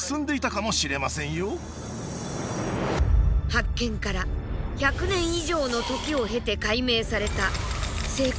発見から１００年以上の時を経て解明された精巧で複雑な構造。